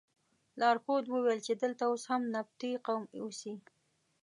لارښود وویل چې دلته اوس هم نبطي قوم اوسي.